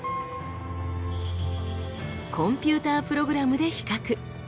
コンピュータープログラムで比較。